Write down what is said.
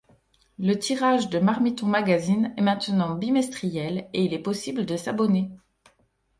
Le tirage de Marmiton Magazine est maintenant bimestriel et il est possible de s'abonner.